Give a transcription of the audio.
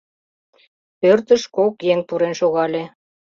Пӧртыш кок еҥ пурен шогале.